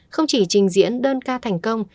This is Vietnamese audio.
không chỉ trình diễn đơn ca thành công